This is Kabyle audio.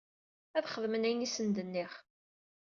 Ad xedmen ayen i asen-d-nniɣ.